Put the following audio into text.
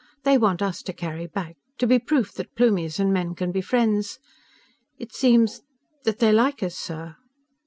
They want us to carry back to be proof that Plumies and men can be friends. It seems that they like us, sir."